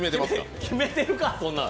決めてるか、そんなの。